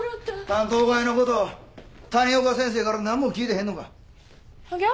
担当代えのこと谷岡先生から何も聞いてへんのか？はぎゃ？